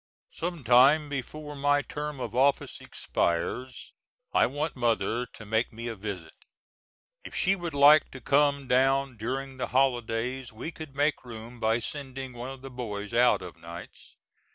Sometime before my term of office expires I want Mother to make me a visit. If she would like to come down during the holidays we could make room by sending one of the boys out o' nights.